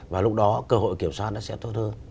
và lúc đó cơ hội kiểm soát nó sẽ tốt hơn